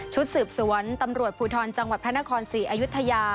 ชุดสืบสวนตำรวจภูทรจังหวัดพระนครศรีอยุธยา